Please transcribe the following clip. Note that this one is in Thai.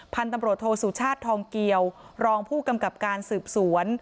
พันธุ์ตำรวจโทสุชาติทองเกียวรองผู้กำกับการสืบสวน